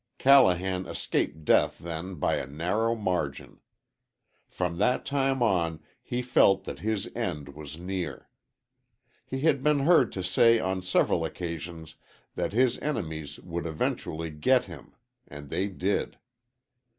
Callahan escaped death then by a narrow margin. From that time on he felt that his end was near. He had been heard to say on several occasions that his enemies would eventually get him, and they did.